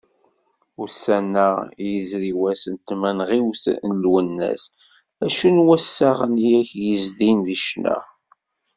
Ussan-a, i yezri wass n tmenɣiwt n Lwennas, acu n wassaɣen i aken-yezdin deg ccna?